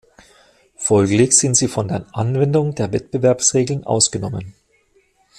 Folglich sind sie von der Anwendung der Wettbewerbsregeln ausgenommen.